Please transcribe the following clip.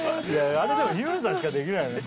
あれでも日村さんしかできないよね